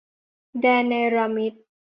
แดนเนรมิต